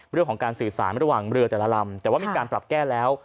เรื่องของการสื่อสารระหว่างเรือแต่ละลำแต่ว่ามีการปรับแก้แล้ว